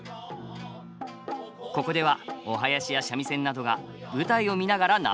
ここではお囃子や三味線などが舞台を見ながら生演奏！